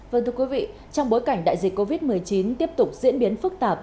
vâng thưa quý vị trong bối cảnh đại dịch covid một mươi chín tiếp tục diễn biến phức tạp